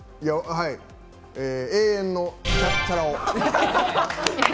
永遠のチャラ男。